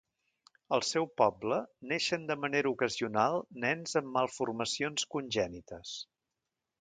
Al seu poble, neixen de manera ocasional nens amb malformacions congènites.